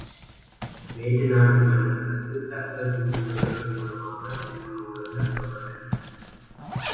வேற்று நாட்டு மன்னர்களுக்குத் தக்க தூதுவர்கள் மூலமாகத் திருமண ஒலைகள் அனுப்பப்பட்டன.